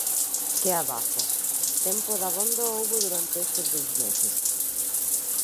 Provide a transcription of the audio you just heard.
Que abafo, tempo dabondo houbo durante estes dous meses!